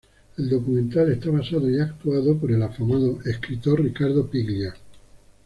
El documental está basado y actuado por el afamado escritor Ricardo Piglia.